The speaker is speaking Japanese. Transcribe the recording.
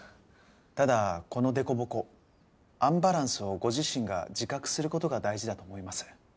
ただこの凸凹アンバランスをご自身が自覚する事が大事だと思います。